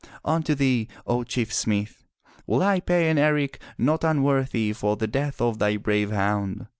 Unto thee, O Chief smith, will I pay an eric not unworthy for the death of thy brave hound.